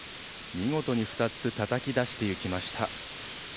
見事に２つたたき出していきました。